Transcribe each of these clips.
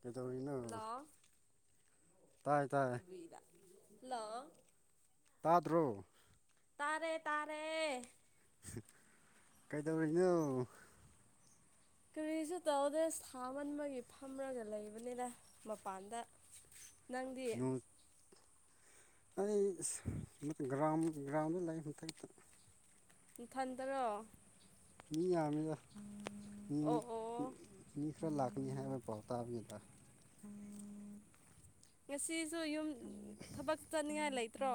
ꯀꯩꯗꯧꯔꯤꯅꯣ ꯍꯜꯂꯣ ꯇꯥꯏ ꯇꯥꯏ ꯇꯨꯕꯤꯗ ꯍꯜꯂꯣ ꯇꯥꯗ꯭ꯔꯣ ꯇꯥꯔꯦ ꯇꯥꯔꯦ ꯇꯥꯔꯦ ꯀꯩꯗꯧꯔꯤꯅꯣ ꯀꯔꯤꯁꯨ ꯇꯧꯗꯦ ꯁꯥꯃꯟꯕꯒꯤ ꯐꯝꯔꯒ ꯂꯩꯕꯅꯤꯅ ꯃꯄꯥꯟꯗ ꯅꯪꯗꯤ ꯅꯣꯡ ꯑꯩ ꯒ꯭ꯔꯥꯎꯟ ꯒ꯭ꯔꯥꯎꯟꯗ ꯂꯩ ꯃꯊꯛꯇ ꯏꯊꯟꯗꯔꯣ ꯃꯤ ꯌꯥꯝꯃꯤꯗ ꯃꯤ ꯑꯣ ꯑꯣ ꯃꯤ ꯈꯔ ꯂꯥꯛꯀꯅꯤ ꯍꯥꯏꯕ ꯄꯥꯎ ꯇꯥꯕꯅꯤꯗ ꯉꯁꯤꯁꯨ ꯌꯨꯝ ꯊꯕꯛ ꯆꯠꯅꯤꯡꯉꯥꯏ ꯂꯩꯇ꯭ꯔꯣ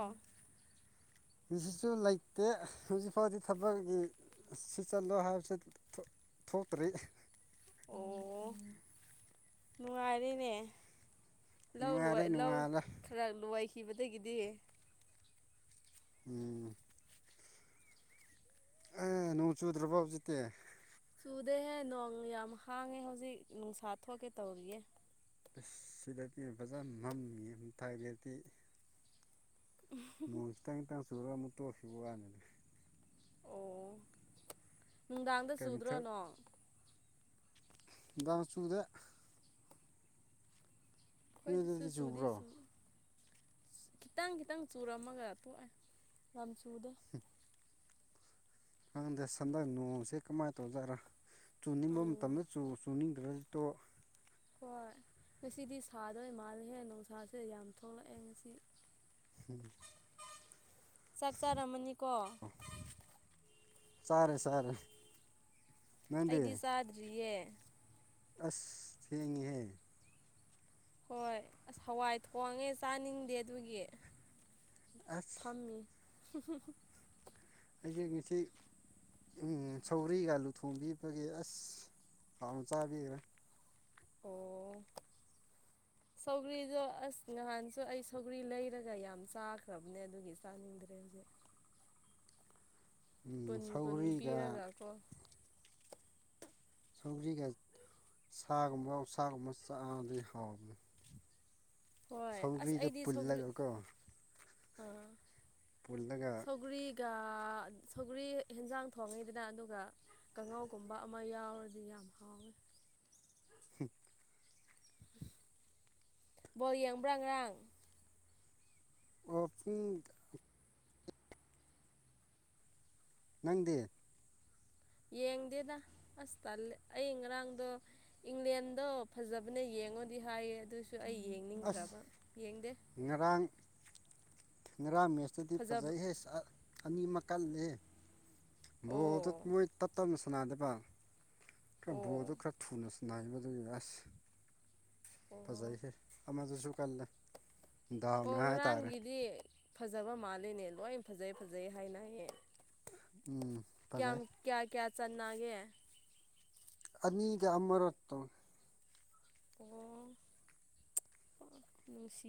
ꯉꯁꯤꯁꯨ ꯂꯩꯇꯦ ꯍꯧꯖꯤꯛ ꯐꯥꯎꯗꯤ ꯊꯕꯛꯀꯤ ꯁꯤ ꯆꯟꯂꯣ ꯍꯥꯏꯕꯁꯧ ꯊꯣꯛꯇ꯭ꯔꯤ ꯑꯣ ꯅꯨꯡꯉꯥꯏꯔꯦꯅꯦ ꯂꯧ ꯅꯨꯡꯉꯥꯏꯔꯦ ꯂꯣꯢ ꯂꯧ ꯅꯨꯡꯉꯥꯏꯔꯦ ꯈꯔ ꯂꯣꯢꯈꯤꯕꯗꯒꯤꯗꯤ ꯎꯝ ꯑꯥ ꯅꯣꯡ ꯆꯨꯗ꯭ꯔꯕꯣ ꯍꯧꯖꯤꯛꯇꯤ ꯆꯨꯗꯦꯍꯦ ꯅꯣꯡ ꯌꯥꯝ ꯍꯥꯡꯉꯦ ꯍꯧꯖꯤꯛ ꯅꯨꯡꯁꯥ ꯊꯣꯛꯀꯦ ꯇꯧꯔꯤꯌꯦ ꯁꯤꯗꯗꯤ ꯐꯖꯅ ꯃꯝꯃꯤꯌꯦ ꯃꯊꯥꯛꯇꯗꯤ ꯎꯝ ꯅꯣꯡ ꯈꯤꯇꯪ ꯈꯤꯇꯪ ꯆꯨꯔꯒ ꯑꯃꯨꯛ ꯇꯣꯛꯈꯤꯕꯩ ꯋꯥꯅꯤ ꯑꯣ ꯅꯨꯡꯗꯥꯡꯗ ꯀꯩ ꯆꯨꯗ꯭ꯔꯣ ꯃꯊꯦꯜ ꯅꯣꯡ ꯅꯨꯡꯗꯥꯡ ꯆꯨꯗꯦ ꯑꯈꯣꯏꯗꯁꯨ ꯅꯣꯏꯗꯗꯤ ꯆꯨꯕ꯭ꯔꯣ ꯆꯨꯗꯦꯁꯨꯨ ꯈꯤꯇꯪ ꯈꯤꯇꯪ ꯆꯨꯔꯝꯃꯒ ꯇꯣꯛꯑꯦ ꯌꯥꯝ ꯆꯨꯗꯦ ꯈꯪꯗꯦ ꯍꯟꯗꯛ ꯅꯣꯡꯁꯦ ꯀꯃꯥꯏꯅ ꯇꯧꯖꯠꯔꯥ ꯆꯨꯅꯤꯡꯕ ꯑꯣ ꯃꯇꯝꯗ ꯆꯨꯅꯤꯡꯗ꯭ꯔ ꯇꯣ ꯍꯣꯏ ꯉꯁꯤꯗꯤ ꯁꯥꯗꯣꯏ ꯃꯥꯜꯂꯦꯍꯦ ꯅꯨꯡꯁꯥꯁꯦ ꯌꯥꯝ ꯊꯣꯛꯂꯛꯑꯦ ꯉꯁꯤ ꯎꯝ ꯆꯥꯛ ꯆꯥꯔꯝꯃꯅꯤꯀꯣ ꯆꯥꯔꯦ ꯆꯥꯔꯦ ꯅꯪꯗꯤ ꯑꯩꯗꯤ ꯆꯥꯗ꯭ꯔꯤꯌꯦ ꯑꯁ ꯊꯦꯡꯉꯤꯍꯦ ꯍꯣꯏ ꯑꯁ ꯍꯋꯥꯏ ꯊꯣꯡꯉꯦ ꯆꯥꯅꯤꯡꯗꯦ ꯑꯗꯨꯒꯤ ꯑꯁ ꯐꯝꯃꯤ [unintelligible] ꯑꯩꯁꯦ ꯉꯁꯤ ꯎꯝ ꯁꯧꯒ꯭ꯔꯤꯒ ꯑꯂꯨ ꯊꯣꯡꯕꯤꯕꯒꯤ ꯑꯁ ꯍꯥꯎ ꯆꯥꯕꯤꯈ꯭ꯔꯦ ꯑꯣ [inaudible] ꯁꯧꯒ꯭ꯔꯤꯗꯣ ꯑꯁ ꯅꯍꯥꯟꯁꯨ ꯑꯩ ꯁꯧꯒ꯭ꯔꯤ ꯂꯩꯔꯒ ꯌꯥꯝ ꯆꯥꯈ꯭ꯔꯕꯅꯦ ꯑꯗꯨꯒꯤ ꯆꯥꯅꯤꯡꯗ꯭ꯔꯦ ꯍꯧꯖꯤꯛ ꯎꯝ ꯀꯨꯟ ꯀꯨꯟ ꯁꯧꯒ꯭ꯔꯤꯒ ꯄꯤꯔꯒ ꯀꯣ ꯁꯧꯒꯥ꯭ꯔꯤꯒ ꯁꯥꯒꯨꯝꯕ ꯑꯣꯛꯁꯥꯒꯨꯝꯕ ꯆꯥꯕꯗꯤ ꯍꯥꯎꯕꯅꯤ ꯍꯣꯏ ꯑꯁ ꯁꯧꯒ꯭ꯔꯤꯗ ꯑꯩꯗꯤ ꯁꯧꯒ꯭ꯔꯤ ꯄꯨꯜꯂꯒꯀꯣ ꯑꯥ ꯄꯨꯜꯂꯒ ꯁꯧꯒ꯭ꯔꯤꯒ ꯁꯧꯒ꯭ꯔꯤ ꯍꯦꯟꯖꯥꯡ ꯊꯣꯡꯉꯤꯗꯅ ꯑꯗꯨꯒ ꯀꯥꯡꯉꯥꯎꯒꯨꯝꯕ ꯑꯃ ꯌꯥꯎꯔꯗꯤ ꯌꯥꯝ ꯍꯥꯎꯋꯦ ꯍꯨꯝ ꯕꯣꯜ ꯌꯦꯡꯕ꯭ꯔꯥ ꯉꯔꯥꯡ ꯑꯣ ꯄꯨꯡ ꯅꯪꯗꯤ ꯌꯦꯡꯗꯦꯗ ꯑꯁ ꯇꯜꯂꯦ ꯑꯩ ꯉꯔꯥꯡꯗꯣ ꯏꯪꯂꯦꯟꯗꯣ ꯐꯖꯕꯅꯦ ꯌꯦꯡꯉꯣꯗꯤ ꯍꯥꯏꯌꯦ ꯑꯗꯨꯢꯁꯨ ꯑꯩ ꯑꯁ ꯌꯦꯡꯅꯤꯡꯗ꯭ꯔꯕ ꯌꯦꯡꯗꯦ ꯉꯔꯥꯡ ꯉꯔꯥꯡ ꯃꯦꯁꯇꯨꯗꯤ ꯐꯖꯕ꯭ꯔꯣ ꯐꯖꯩꯍꯦ ꯁꯠ ꯑꯅꯤ ꯑꯃ ꯀꯜꯂꯦ ꯕꯣꯜꯗꯣ ꯑꯣ ꯃꯣꯏ ꯇꯞ ꯇꯞꯅ ꯁꯥꯟꯅꯗꯕ ꯈꯔ ꯕꯣꯜꯗꯣ ꯑꯣ ꯈꯔ ꯊꯨꯅꯁꯨ ꯁꯥꯟꯅꯗ꯭ꯔꯗꯤ ꯑꯁ ꯑꯣ ꯐꯖꯩꯍꯦ ꯑꯃꯗꯨꯁꯨ ꯀꯟꯅ ꯗꯥꯎꯅꯤ ꯑꯣ ꯍꯥꯏ ꯇꯥꯔꯦ ꯉꯔꯥꯡꯒꯤꯗꯤ ꯐꯖꯕ ꯃꯥꯜꯂꯤꯅꯦ ꯂꯣꯏ ꯐꯖꯩ ꯐꯖꯩ ꯍꯥꯏꯅꯩꯌꯦ ꯎꯝ ꯄꯖꯩ ꯀ꯭ꯌꯥ ꯀ꯭ꯌꯥ ꯆꯅꯥꯒꯦ ꯑꯅꯤꯒ ꯑꯃꯔꯠꯇꯣ ꯍꯜꯂꯣ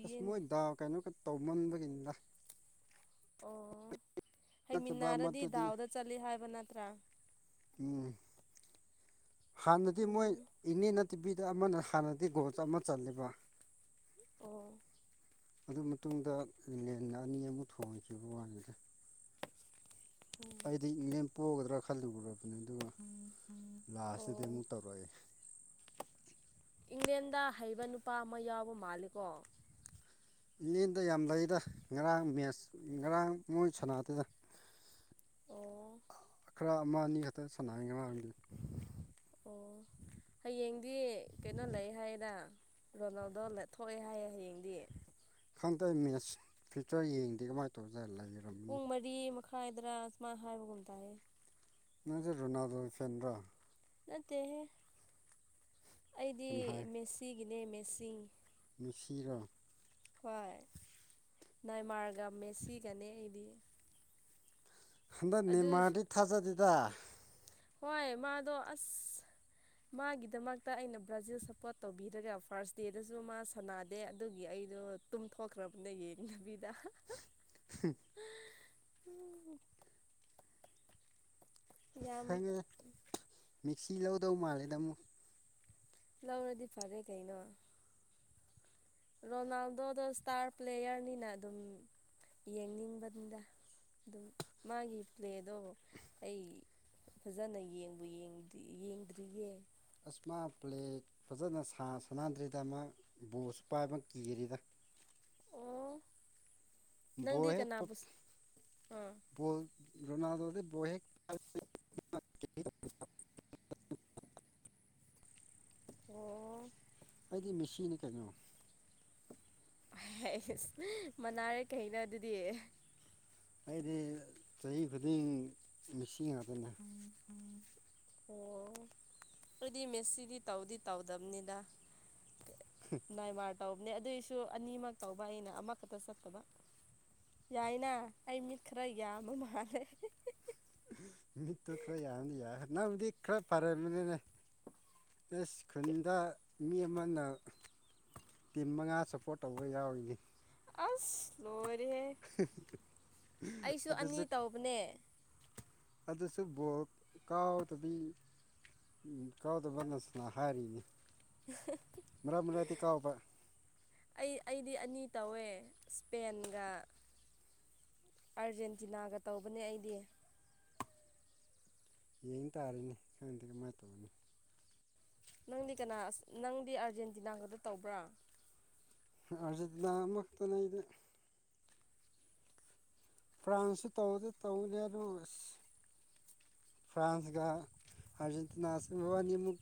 ꯑꯁ ꯃꯣꯏꯗꯥ ꯀꯩꯅꯣ ꯈ ꯇꯧꯃꯟꯕꯒꯤꯅꯤꯅꯥ ꯑꯣ ꯅꯠꯇꯕ ꯍꯩꯃꯤꯟꯅꯔꯗꯤ ꯑꯃꯗꯨꯗꯤ ꯗꯥꯎꯗ ꯆꯠꯂꯤ ꯍꯥꯏꯕ ꯅꯠꯇ꯭ꯔꯥ ꯎꯝ ꯍꯥꯥꯟꯅꯗꯤ ꯃꯣꯏ ꯎꯝ ꯏꯅꯦꯅ ꯇꯤꯚꯤꯗ ꯑꯃꯅ ꯍꯥꯟꯅꯗꯤ ꯒꯣꯁ ꯆꯟꯕ ꯆꯟꯗꯕ ꯑꯣ ꯑꯗꯨ ꯃꯇꯨꯡꯗ ꯂꯦꯟ ꯑꯅꯤ ꯑꯃꯨꯛ ꯊꯣꯡꯈꯤꯕ ꯋꯥꯅꯤꯗ ꯑꯣ ꯑꯩꯗꯤ ꯏꯪꯂꯦꯝ ꯄꯣꯛꯒꯗ꯭ꯔꯥ ꯈꯜꯂꯨꯔꯕꯅꯦ ꯑꯗꯨꯒ ꯂꯥꯁꯇꯗꯤ ꯑꯣ ꯑꯃꯨꯛ ꯇꯧꯔꯛꯑꯦ ꯏꯪꯂꯦꯟꯗ ꯍꯩꯕ ꯅꯨꯄꯥ ꯑꯃ ꯌꯥꯎꯕ ꯃꯥꯜꯂꯤ ꯀꯣ ꯏꯪꯂꯦꯟꯗ ꯌꯥꯝ ꯂꯩꯗ ꯉꯔꯥꯡ ꯃꯦꯠꯁ ꯉꯔꯥꯡ ꯃꯣꯏ ꯁꯥꯟꯅꯇꯦꯗꯥ ꯑꯣ ꯈꯔ ꯑꯃ ꯑꯅꯤ ꯈꯛꯇ ꯁꯥꯟꯅꯩ ꯉꯔꯥꯡꯗꯤ ꯑꯣ ꯍꯌꯦꯡꯗꯤ ꯀꯩꯅꯣ ꯂꯩ ꯍꯥꯏꯌꯦꯅꯥ ꯔꯣꯅꯥꯜꯗꯣ ꯊꯣꯛꯑꯦ ꯍꯥꯏꯌꯦ ꯍꯌꯦꯡꯗꯤ ꯈꯪꯗꯦ ꯃꯦꯠꯁ ꯐ꯭ꯌꯨꯆꯔ ꯌꯦꯡꯗꯦ ꯀꯃꯥꯏꯟ ꯇꯧꯗꯅ ꯂꯩꯔꯕꯅꯣ ꯄꯨꯡ ꯃꯔꯤ ꯃꯈꯥꯏꯗꯔꯥ ꯁꯨꯃꯥꯏ ꯍꯥꯏꯕꯒꯨꯝ ꯇꯧꯋꯦ ꯅꯪꯁꯨ ꯔꯣꯅꯥꯜꯗꯣꯒꯤ ꯐꯦꯟꯔꯣ ꯅꯠꯇꯦꯍꯦ ꯑꯩꯗꯤ ꯀꯅꯥꯏ ꯃꯦꯁꯤꯒꯤꯅꯦ ꯃꯦꯁꯤ ꯃꯤꯁꯤꯔꯣ ꯍꯣꯏ ꯅꯥꯏꯃꯥꯔꯒ ꯃꯦꯁꯤꯒꯅꯦ ꯑꯩꯗꯤ ꯍꯟꯗꯛ ꯑꯗꯨ ꯅꯦꯃꯥꯔꯗꯤ ꯊꯥꯖꯗꯦꯗꯥ ꯍꯣꯏ ꯃꯥꯗꯣ ꯑꯁ ꯃꯥꯒꯤꯗꯃꯛꯇ ꯑꯩꯅ ꯕ꯭ꯔꯥꯖꯤꯜ ꯁꯞꯄꯣꯔꯠ ꯇꯧꯕꯤꯔꯒ ꯐꯥꯔꯁ ꯗꯦꯗꯁꯨ ꯃꯥ ꯁꯥꯟꯅꯗꯦ ꯑꯗꯨꯒꯤ ꯑꯩꯗꯣ ꯇꯨꯝꯊꯣꯛꯈ꯭ꯔꯕꯅꯦ ꯌꯦꯡꯗꯕꯤꯗ [unintelligible] ꯌꯥꯝ ꯈꯪꯉꯦ ꯃꯤꯁꯤ ꯂꯧꯗꯧ ꯃꯥꯜꯂꯦꯗ ꯑꯃꯨꯛ ꯂꯧꯔꯗꯤ ꯐꯔꯦ ꯀꯩꯅꯣ ꯔꯣꯅꯥꯜꯗꯣꯗ ꯏꯁꯇꯥꯔ ꯄ꯭ꯂꯦꯌꯔꯅꯤꯅ ꯑꯗꯨꯝ ꯌꯦꯡꯅꯤꯡꯕꯅꯤꯗꯥ ꯑꯗꯨꯝ ꯃꯥꯒꯤ ꯄ꯭ꯂꯦꯗꯣ ꯑꯩ ꯐꯖꯅ ꯌꯦꯡꯕꯨ ꯌꯦꯡꯗ꯭ꯔꯤꯌꯦ ꯌꯦꯡꯗ꯭ꯔꯤꯌꯦ ꯑꯁ ꯃꯥ ꯄ꯭ꯂꯦ ꯐꯖꯅ ꯁꯥ ꯁꯅꯥꯟꯗ꯭ꯔꯤꯗ ꯃꯥ ꯕꯣꯁꯁꯨ ꯄꯥꯏꯕ ꯀꯤꯔꯤꯗ ꯑꯣ ꯅꯪꯗꯤ ꯕꯣꯍꯦꯛ ꯄ ꯀꯅꯥꯕꯨ ꯑꯥ ꯕꯣꯜ ꯔꯣꯅꯥꯜꯗꯣꯗꯤ ꯕꯣ ꯍꯦꯛ [unintelligible] ꯑꯣ ꯑꯩꯗꯤ ꯃꯦꯁꯤꯅꯤ ꯀꯩꯅꯣ ꯍꯁ ꯃꯅꯥꯔꯦ ꯀꯩꯅ ꯑꯗꯨꯗꯤ ꯑꯩꯗꯤ ꯆꯍꯤ ꯈꯨꯗꯤꯡ ꯃꯤꯁꯤ ꯉꯥꯛꯇꯅꯦ ꯑꯣ ꯑꯩꯗꯤ ꯃꯦꯁꯁꯤꯗꯤ ꯇꯧꯗꯤ ꯇꯧꯗꯕꯅꯤꯗ ꯅꯥꯏꯃꯔ ꯇꯧꯕꯅꯦ ꯑꯗꯨꯑꯣꯏꯁꯨ ꯑꯅꯤꯃꯛ ꯇꯧꯕ ꯑꯩꯅ ꯑꯃꯈꯛꯇ ꯆꯠꯇꯕ ꯌꯥꯏꯅ ꯑꯩ ꯃꯤꯠ ꯈꯔ ꯌꯥꯝꯕ ꯃꯥꯜꯂꯦ ꯃꯤꯠꯇꫭ ꯈꯔ ꯌꯥꯗꯤ ꯅꯪꯕꯨꯗꯤ ꯈꯔ ꯄꯔꯦꯃꯅꯤꯅꯦ ꯑꯦꯁ ꯈꯨꯨꯞꯗ ꯃꯤ ꯑꯃꯅ ꯇꯤꯝ ꯃꯉꯥ ꯁꯞꯄꯣꯔꯠ ꯇꯧꯕ ꯌꯥꯎꯔꯤꯅꯤ ꯑꯁ ꯂꯣꯏꯔꯍꯦ ꯑꯩꯁꯨ ꯑꯅꯤ ꯑꯗꯨꯁꯨ ꯇꯧꯕꯅꯦ ꯑꯗꯨꯁꯨ ꯕꯣꯛ ꯀꯥꯎꯗꯕꯤ ꯎꯝ ꯀꯥꯎꯗꯕ ꯅꯁꯅ ꯍꯥꯏꯔꯤꯅꯤ ꯃꯔꯛ ꯃꯔꯛꯗꯤ ꯀꯥꯎꯕ ꯑꯩ ꯑꯩꯗꯤ ꯑꯅꯤ ꯇꯧꯋꯦ ꯏꯁꯄꯦꯟꯒ ꯑꯥꯔꯖꯦꯟꯇꯤꯅꯥꯒ ꯇꯧꯕꯅꯦ ꯑꯩꯗꯤ ꯌꯦꯡ ꯇꯥꯔꯅꯦ ꯈꯪꯗꯦ ꯀꯃꯥꯥꯏꯅ ꯇꯧꯔꯅꯤ ꯅꯪꯗꯤ ꯀꯅꯥ ꯑꯁ ꯅꯪꯗꯤ ꯑꯥꯔꯖꯦꯟꯇꯤꯅꯥ ꯈꯛꯇ ꯇꯧꯕ꯭ꯔꯥ ꯑꯥꯔꯖꯦꯟꯇꯤꯅꯥ ꯑꯃ ꯈꯛꯇꯥꯅꯦ ꯑꯩꯗꯤ ꯐ꯭ꯔꯥꯟꯁꯁꯨ ꯇꯧꯗꯤ ꯇꯧꯅꯤ ꯑꯗꯨ ꯐ꯭ꯔꯥꯟꯁꯒ ꯑꯔꯖꯦꯟꯇꯅꯥꯨꯝ ꯃꯕꯥꯅꯤꯃꯨꯛ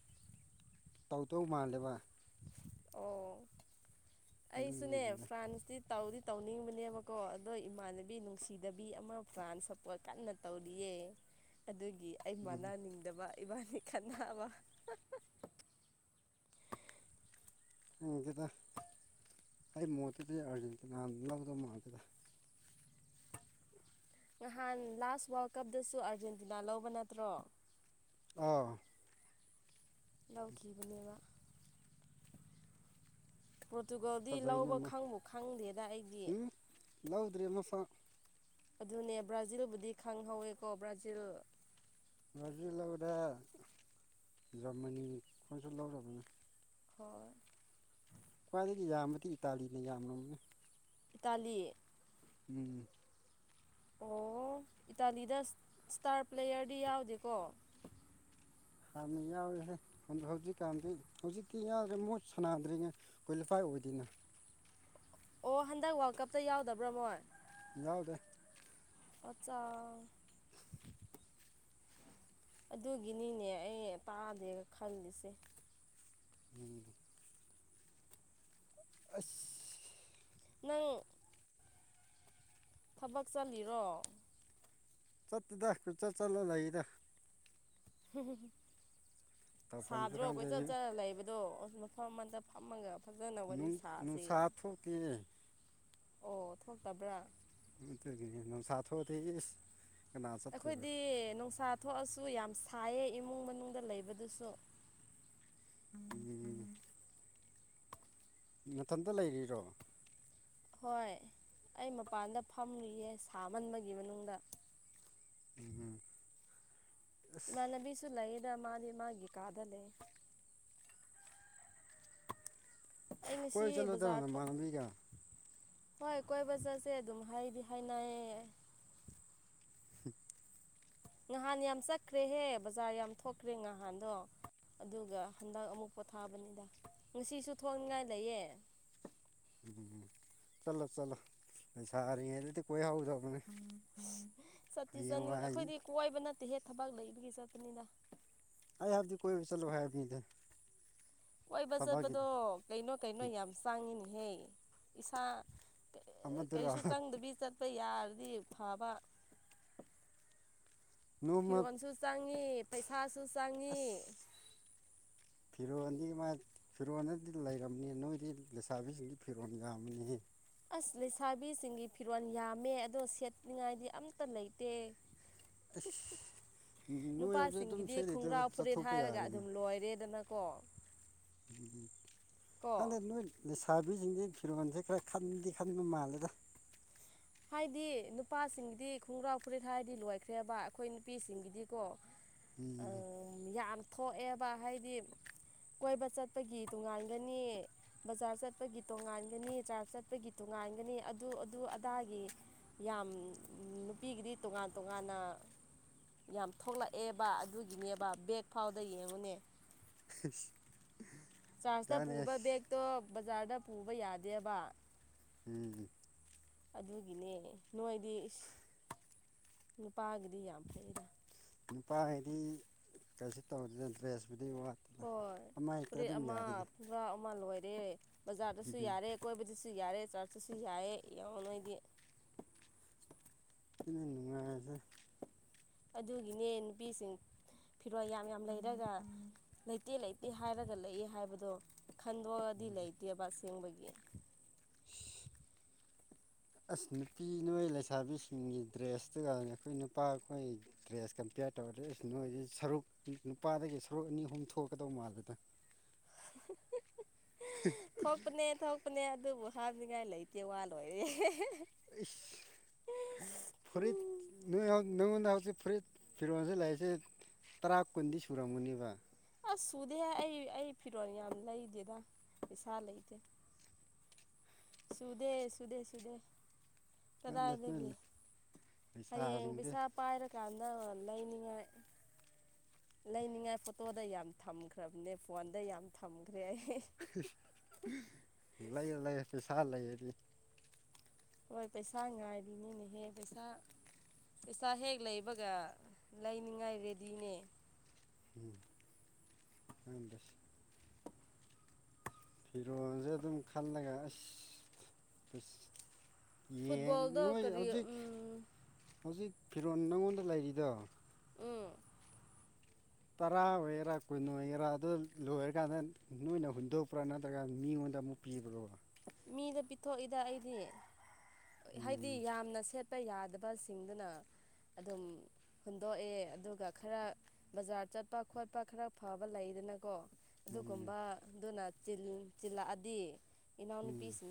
ꯇꯧ ꯇꯧ ꯃꯥꯜꯂꯦꯕ ꯑꯣ ꯑꯩꯁꯨꯅꯦ ꯑꯗꯨꯒꯤꯅꯤꯗ ꯐ꯭ꯔꯥꯟꯁꯇꯤ ꯇꯧꯗꯤ ꯇꯧꯅꯤꯡꯕꯅꯦꯕꯀꯣ ꯑꯗꯣ ꯏꯃꯥꯟꯅꯕꯤ ꯅꯨꯡꯁꯤꯗꯕꯤ ꯑꯃ ꯄ꯭ꯔꯥꯟ ꯁꯞꯄꯣꯔꯠ ꯀꯟꯅ ꯇꯧꯔꯤꯌꯦ ꯑꯗꯨꯒꯤ ꯑꯩ ꯎꯝ ꯃꯥꯟꯅꯅꯤꯡꯗꯕ ꯏꯕꯥꯅꯤ ꯈꯟꯅꯕ ꯈꯪꯗꯦꯗꯥ ꯑꯩ ꯃꯣꯠꯇꯨꯗꯤ ꯑꯥꯔꯖꯦꯟꯇ ꯅꯥꯟ ꯂꯧꯗꯧ ꯃꯥꯜꯦꯗ ꯅꯍꯥꯟ ꯂꯥꯁ ꯋꯥꯔꯜ ꯀꯞꯇꯁꯨ ꯑꯥꯔꯖꯦꯟꯇꯤꯅꯥ ꯂꯧꯕ ꯅꯠꯇ꯭ꯔꯣ ꯑꯥ ꯂꯧꯈꯤꯕꯅꯦꯕ ꯄ꯭ꯔꯣꯇꯨꯒꯣꯜꯗꯤ ꯐꯖꯩꯅꯦ ꯂꯧꯕ ꯃꯥ ꯈꯪꯕꯨ ꯈꯪꯗꯦꯗ ꯑꯩꯗꯤ ꯎꯝ ꯂꯧꯗ꯭ꯔꯤ ꯑꯃꯥ ꯐꯥꯎ ꯑꯗꯨꯅꯦ ꯕ꯭ꯔꯥꯖꯤꯜꯕꯨꯗꯤ ꯈꯪꯍꯧꯋꯦꯀꯣ ꯕ꯭ꯔꯥꯖꯤꯜ ꯕ꯭ꯔꯥꯖꯤꯜ ꯂꯧꯔꯦ ꯖꯃꯅꯤ ꯈꯣꯟꯁꯨ ꯂꯧꯔꯕꯅꯦ ꯍꯣꯏ ꯈ꯭ꯋꯥꯏꯗꯒꯤ ꯌꯥꯝꯕꯗꯤ ꯏꯇꯥꯂꯤꯅ ꯌꯥꯝꯔꯕꯅꯤ ꯏꯇꯥꯂꯤ ꯎꯝ ꯑꯣ ꯏꯇꯥꯂꯤꯗ ꯏꯁꯇꯥꯔ ꯄ꯭ꯂꯦꯌꯔꯗꯤ ꯌꯥꯎꯗꯦꯀꯣ ꯍꯥꯟꯅ ꯌꯥꯎꯋꯦꯍꯦ ꯑꯣ ꯍꯧꯖꯤꯛꯀꯥꯟꯗꯤ ꯍꯧꯖꯤꯛꯇꯤ ꯌꯥꯎꯗ꯭ꯔꯦ ꯃꯣꯏꯠ ꯁꯥꯟꯅꯥꯗ꯭ꯔꯤꯉꯩ ꯀ꯭ꯋꯥꯂꯤꯐꯥꯏ ꯑꯣꯏꯗꯣꯏꯅ ꯑꯣ ꯍꯟꯗꯛ ꯋꯥꯔꯜ ꯀꯞꯇ ꯌꯥꯎꯗꯕ꯭ꯔꯃꯣꯏ ꯌꯥꯎꯗꯦ ꯑꯥꯆꯥ ꯑꯗꯨꯒꯤꯅꯤꯅꯦ ꯑꯩ ꯇꯥꯗꯦꯒ ꯈꯜꯂꯤꯁꯦ ꯎꯝ ꯑꯁ ꯅꯪ ꯊꯕꯛ ꯆꯠꯂꯤꯔꯣ ꯆꯠꯠꯇꯗ ꯀꯨꯏ ꯆꯠ ꯆꯠꯂ ꯂꯩꯗ ꯇꯧꯐꯝꯁꯨ ꯁꯥꯗ꯭ꯔꯣ ꯈꯪꯗꯦ ꯀꯣꯏꯆꯠ ꯆꯠꯂ ꯂꯩꯕꯗꯣ ꯃꯐꯝ ꯑꯃꯗ ꯐꯝꯃꯒ ꯐꯖꯅ ꯋꯥꯔꯤ ꯅꯨꯡ ꯅꯨꯡꯁꯥ ꯁꯥꯁꯦꯌꯦ ꯊꯣꯛꯇꯦ ꯑꯣ ꯊꯣꯛꯇꯕ꯭ꯔ [unintelligible] ꯅꯨꯡꯁꯥ ꯊꫭꯛꯇꯦ ꯏꯁ ꯀꯅꯥ ꯆꯠꯇꯣꯏꯔꯣ ꯑꯩꯈꯣꯏꯗꯤ ꯅꯨꯡꯁꯥ ꯊꯣꯛꯑꯁꯨ ꯌꯥꯝ ꯁꯥꯏꯌꯦ ꯏꯃꯨꯡ ꯃꯅꯨꯡꯗ ꯂꯩꯕꯗꯨꯁꯨ ꯎꯝ ꯅꯊꯟꯇ ꯂꯩꯔꯤꯔꯣ ꯍꯣꯏ ꯑꯩ ꯃꯄꯥꯟꯗ ꯐꯝꯔꯤꯌꯦ ꯁꯥꯃꯟꯕꯒꯤ ꯃꯅꯨꯡꯗ [unintelligible] ꯏꯃꯥꯟꯅꯕꯤꯁꯨ ꯂꯩꯌꯦꯗ ꯃꯥꯗꯤ ꯃꯥꯒꯤ ꯀꯥꯗ ꯂꯩ ꯑꯩ ꯉꯁꯤ ꯀꯣꯏ ꯆꯠꯂꯨꯗꯅ ꯕꯖꯥꯔ ꯊꯣꯛ ꯅꯃꯥꯟꯅꯕꯤꯒ ꯍꯣꯏ ꯀꯣꯏꯕ ꯆꯠꯁꯦ ꯑꯗꯨꯝ ꯍꯥꯏꯗꯤ ꯍꯥꯏꯅꯩꯌꯦ [unintelligible] ꯉꯍꯥꯟ ꯌꯥꯝ ꯆꯠꯈ꯭ꯔꯦꯍꯦ ꯕꯖꯥꯔ ꯌꯥꯝ ꯊꯣꯛꯈ꯭ꯔꯦ ꯉꯍꯥꯟꯗꯣ ꯑꯗꯨꯒ ꯍꯟꯗꯛ ꯑꯃꯨꯛ ꯄꯣꯊꯥꯕꯅꯤꯗ ꯉꯁꯤꯁꯨ ꯊꯣꯡꯅꯤꯡꯉꯥꯏ ꯂꯩꯌꯦ ꯆꯠꯂꯣ ꯆꯠꯂꯣ ꯂꯩꯁꯥꯔꯤꯉꯩꯗꯗꯤ ꯀꯣꯏꯍꯧꯖꯧ ꯆꯠꯇꯤ ꯋꯥꯏ ꯆꯠꯅꯤꯡꯗꯦ ꯑꯩ ꯑꯩꯈꯣꯏꯗꯤ ꯀꯣꯏꯕ ꯅꯠꯇꯦꯍꯦ ꯊꯕꯛ ꯂꯩꯕꯒꯤ ꯆꯠꯄꯅꯤꯅ ꯑꯦ ꯍꯥꯏꯞꯗꯤ ꯀꯣꯏꯕ ꯆꯠꯂꯨ [unintelligible] ꯀꯣꯏꯕ ꯆꯠꯄꯗꯣ ꯀꯩꯅꯣ ꯀꯩꯅꯣ ꯌꯥꯝ ꯆꯡꯉꯤꯅꯤꯍꯦ ꯏꯁꯥ ꯑꯃꯗꯨꯔꯣ ꯀꯔꯤꯁꯨ ꯆꯪꯗꯕꯤ ꯆꯠꯄ ꯌꯥꯔꯗꯤ ꯐꯕ ꯅꯣꯡꯃ ꯐꯤꯔꯣꯟꯁꯨ ꯆꯪꯉꯤ ꯄꯩꯁꯥꯁꯨ ꯆꯪꯉꯤ ꯐꯤꯔꯣꯜꯗꯤ ꯃꯥꯥꯏ ꯐꯤꯔꯣꯟꯜꯗꯗꯤ ꯂꯩꯔꯝꯅꯤ ꯅꯣꯏꯗꯤ ꯂꯩꯁꯥꯕꯤꯁꯤꯡꯗꯤ ꯐꯤꯔꯣꯜ ꯌꯥꯝꯕꯅꯤ ꯑꯁ ꯂꯩꯁꯥꯕꯤꯁꯤꯡꯒꯤ ꯐꯤꯔꯣꯜ ꯌꯥꯝꯃꯦ ꯑꯗꯣ ꯁꯦꯠꯅꯤꯉꯥꯏꯗꯤ ꯑꯝꯇ ꯂꯩꯇꯦ ꯑꯩꯁ ꯅꯣꯏ ꯑꯗꯨꯗ ꯑꯗꯨꯝ ꯅꯨꯄꯥꯁꯤꯡꯒꯤꯗꯤ ꯁꯦꯠꯂꯤꯗꯣ ꯈꯣꯡꯒ꯭ꯔꯥꯎ ꯐꯨꯔꯤꯠ ꯆꯠꯊꯣꯛꯄ ꯍꯥꯏꯔꯒ ꯌꯥꯏꯅ ꯑꯗꯨꯝ ꯂꯣꯏꯔꯦꯗꯅꯀꯣ ꯀꯣ ꯈꯪꯗꯦ ꯅꯣꯏ ꯂꯩꯁꯥꯕꯤꯖꯤꯡꯁꯦ ꯐꯤꯔꯣꯟꯖꯦ ꯈꯔ ꯈꯟꯗꯤ ꯈꯟꯕ ꯃꯥꯜꯂꯦꯗ ꯍꯥꯏꯗꯤ ꯅꯨꯄꯥꯁꯤꯡꯒꯤꯗꯤ ꯈꯣꯡꯒ꯭ꯔꯥꯎ ꯐꯨꯔꯤꯠ ꯍꯥꯏꯔꯗꯤ ꯂꯣꯏꯈ꯭ꯔꯦꯕ ꯑꯩꯈꯣꯏ ꯅꯨꯄꯤꯁꯤꯡꯒꯤꯗꯤꯀꯣ ꯎꯝ ꯌꯥꯝ ꯊꯣꯛꯑꯦꯕ ꯍꯥꯏꯗꯤ ꯀꯣꯏꯕ ꯆꯠꯄꯒꯤ ꯇꯣꯡꯉꯥꯟꯒꯅꯤ ꯕꯖꯥꯔ ꯆꯠꯄꯒꯤ ꯇꯣꯉꯥꯟꯒꯅꯤ ꯆꯥꯔ ꯆꯠꯄꯒꯤ ꯇꯣꯉꯥꯟꯒꯅꯤ ꯑꯗꯨ ꯑꯗꯨ ꯑ ꯗꯥꯒꯤ ꯌꯥꯝ ꯅꯨꯄꯤꯒꯤꯗꯤ ꯇꯣꯉꯥꯟ ꯇꯣꯉꯥꯟꯅ ꯌꯥꯝ ꯊꯣꯛꯂꯛꯑꯦꯕ ꯑꯗꯨꯒꯤꯅꯦꯕ ꯕꯦꯛ ꯐꯥꯎꯗ ꯌꯦꯡꯉꯨꯅꯦ [unintelligible] ꯆꯥꯔꯁꯇ ꯀꯥꯟꯅꯩ ꯄꯨꯕ ꯕꯦꯛꯇꯣ ꯕꯖꯥꯔꯗ ꯄꯨꯕ ꯌꯥꯗꯦꯕ ꯎꯝ ꯑꯗꯨꯒꯤꯅꯦ ꯅꯣꯏꯗꯤ ꯏꯁ ꯅꯨꯄꯥꯒꯤꯗꯤ ꯌꯥꯝ ꯐꯩꯌꯦꯗ ꯅꯨꯄꯥꯒꯤꯗꯤ ꯀꯩꯁꯨ ꯇꯧꯗꯦ ꯗ꯭ꯔꯦꯁꯄꯨꯗꯤ ꯋꯥꯠ ꯍꯣꯏ ꯐꯨꯔꯤꯠ ꯑꯃ ꯈꫭꯡꯒ꯭ꯔꯥꯎ ꯑꯃ ꯂꯣꯏꯔꯦ ꯕꯖꯥꯔꯗꯁꯨ ꯌꯥꯔꯦ ꯀꯣꯏꯕꯗꯁꯨ ꯌꯥꯔꯦ ꯆꯔꯁꯇꯁꯨ ꯌꯥꯏꯌꯦ ꯌꯦꯡꯉꯣ ꯅꯣꯏꯗꯤ ꯁꯤꯅꯦ ꯅꯨꯡꯉꯥꯏꯔꯤꯖꯦ ꯑꯗꯨꯒꯤꯅꯦ ꯅꯨꯄꯤꯁꯤꯡ ꯐꯤꯔꯣꯟ ꯌꯥꯝ ꯌꯥꯝ ꯂꯩꯔꯒ ꯂꯩꯇꯦ ꯂꯩꯇꯦ ꯍꯥꯏꯔꯒ ꯂꯩꯌꯦ ꯍꯥꯏꯕꯗꯣ ꯈꯟꯗꯣꯛꯑꯗꯤ ꯂꯩꯇꯦꯕ ꯑꯁꯦꯡꯕꯒꯤ ꯑꯁ ꯅꯨꯄꯤ ꯅꯣꯏ ꯂꯩꯁꯥꯕꯤꯁꯤꯡꯒꯤ ꯗ꯭ꯔꯦꯁꯇꯨꯒ ꯑꯩꯈꯣꯏ ꯅꯨꯄꯥꯈꯣꯏ ꯗ꯭ꯔꯦꯁ ꯀꯝꯄꯤꯌꯔ ꯇꯧꯔꯗꯤ ꯅꯣꯏ ꯁꯔꯨꯛ ꯅꯨꯄꯥꯗꯒꯤ ꯁꯔꯨꯛ ꯑꯅꯤ ꯑꯍꯨꯝ ꯊꯣꯛꯀꯗꯧ ꯃꯥꯜꯂꯦꯗ [unintelligible] ꯊꯣꯛꯄꯅꯦ ꯊꯣꯛꯄꯅꯦ ꯑꯗꯨꯕꯨ ꯍꯥꯞꯅꯤꯡꯉꯤꯏ ꯂꯩꯇꯦ ꯋꯥ ꯂꯣꯏꯔꯦ [unintelligible] ꯏꯁ ꯐꯨꯔꯤꯠ [unintelligible] ꯅꯉꯣꯟꯗ ꯍꯧꯖꯤꯛ ꯐꯨꯔꯤꯠ ꯐꯤꯔꯣꯟꯁꯤ ꯂꯩꯇꯦ ꯇꯔꯥ ꯀꯨꯟꯗꯤ ꯁꯨꯔꯝꯒꯅꯤꯕ꯫ ꯑꯁ ꯁꯨꯗꯦ ꯑꯩ ꯑꯩ ꯐꯤꯔꯣꯜ ꯌꯥꯝ ꯂꯩꯗꯦꯗ ꯄꯩꯁꯥ ꯂꯩꯇꯦ ꯁꯨꯗꯦ ꯁꯨꯗꯦ ꯁꯨꯗꯦ ꯑꯗꯨꯅ ꯅꯣꯏ ꯀꯗꯥꯏꯗꯒꯤ ꯍꯌꯦꯡ ꯂꯩꯁꯥꯁꯤꯡꯗꯤ ꯄꯩꯁꯥ ꯄꯥꯏꯔ ꯀꯥꯟꯗ ꯂꯩꯅꯤꯡꯉꯥꯏ ꯂꯩꯅꯤꯡꯉꯥꯏ ꯐꯣꯇꯣꯗ ꯌꯥꯝ ꯊꯝꯈ꯭ꯔꯕꯅꯦ ꯐꯣꯟꯗ ꯌꯥꯝ ꯊꯝꯈ꯭ꯔꯦ ꯑꯩ ꯂꯩꯌꯣ ꯂꯩꯌꯣ ꯄꯩꯁꯥ ꯂꯩꯔꯗꯤ ꯍꯣꯏ ꯄꯩꯁꯥ ꯉꯥꯏꯔꯤꯅꯤꯅꯦꯍꯦ ꯄꯩꯁꯥ ꯄꯩꯁꯥ ꯍꯦꯛ ꯂꯩꯕꯒ ꯂꯩꯅꯤꯡꯉꯥꯏ ꯔꯦꯗꯤꯅꯦ ꯎꯝ ꯈꯪꯗꯦ ꯐꯤꯔꯣꯟꯖꯦ ꯑꯗꯨꯝ ꯈꯜꯂꯒ ꯑꯁ ꯌꯦꯡ ꯐꯨꯠꯕꯣꯜꯗꯣ ꯅꯣꯏ ꯀꯔꯤ ꯍꯧꯖꯤꯛ ꯎꯝ ꯍꯧꯖꯤꯛ ꯐꯤꯔꯣꯟ ꯅꯪꯉꯣꯟꯗ ꯂꯩꯔꯤꯗꯣ ꯎꯝ ꯇꯔꯥ ꯑꯣꯏꯒꯦꯔꯥ ꯀꯨꯟ ꯑꯣꯏꯒꯦꯔꯥ ꯑꯗꯨ ꯂꯣꯏꯔꯀꯥꯟꯗ ꯅꯣꯏꯅ ꯍꯨꯟꯗꯣꯛꯄ꯭ꯔꯥ ꯅꯠꯇ꯭ꯔꯒꯅ ꯃꯤꯉꯣꯟꯗ ꯑꯃꯨꯛ ꯄꯤꯕ꯭ꯔꯣꯕ ꯃꯤꯗ ꯄꯤꯊꯣꯛꯏꯗ ꯑꯩꯗꯤ ꯍꯥꯏꯗꯤ ꯎꯝ ꯌꯥꯝꯅ ꯁꯦꯠ ꯄ ꯌꯥꯗꯕꯁꯤꯡꯗꯨꯅ ꯑꯗꯨꯝ ꯍꯨꯟꯗꯣꯛꯑꯦ ꯑꯗꯨꯒ ꯈꯔ ꯕꯖꯥꯔ ꯆꯠꯄ ꯈꯣꯠꯄ ꯈꯔ ꯐꯕ ꯂꯩꯗꯅꯀꯣ ꯎꯝ ꯑꯗꯨꯒꯨꯝꯕꯗꯨꯅ ꯆꯤꯜ-ꯆꯤꯟꯂꯛꯑꯗꯤ ꯎꯝ ꯏꯅꯥꯎꯅꯨꯄꯤꯁꯤꯡꯗ